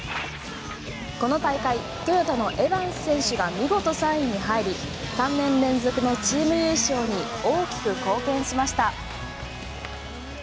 この大会トヨタのエバンス選手が見事３位に入り３年連続のチーム優勝に大きく貢献しました。